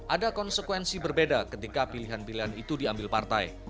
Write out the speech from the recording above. ada konsekuensi berbeda ketika pilihan pilihan itu diambil partai